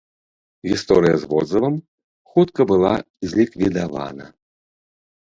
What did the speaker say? Гісторыя з водзывам хутка была зліквідавана.